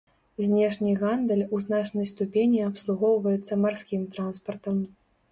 Знешні гандаль у значнай ступені абслугоўваецца марскім транспартам.